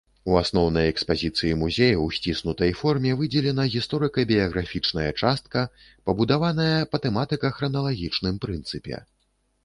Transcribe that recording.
У асноўнай экспазіцыі музея ў сціснутай форме выдзелена гісторыка-біяграфічная частка, пабудаваная па тэматыка-храналагічным прынцыпе.